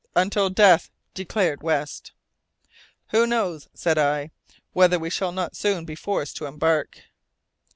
"Until death," declared West. "Who knows," said I, "whether we shall not soon be forced to embark?"